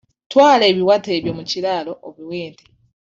Twala ebiwata ebyo mu kiraalo obiwe ente.